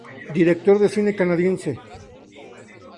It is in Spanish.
Director de cine Canadiense.